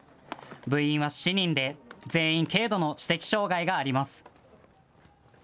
部員は７人で全員、軽度の知的障害があります。